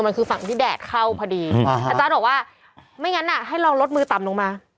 มันคือฝั่งที่แดดเข้าพอดีอาจารย์บอกว่าไม่งั้นอ่ะให้ลองลดมือต่ำลงมา